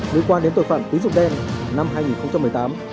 nếu qua đến tội phạm tín dụng đen năm hai nghìn một mươi tám